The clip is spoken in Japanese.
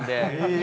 え！